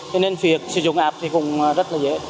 cho nên việc sử dụng app thì cũng rất là dễ